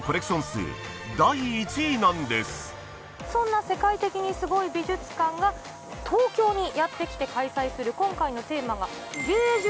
そんな世界的にすごい美術館が東京にやって来て開催する今回のテーマが。